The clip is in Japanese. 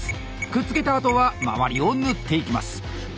くっつけたあとは周りを縫っていきます。